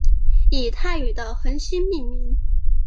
以泰语的恒星命名。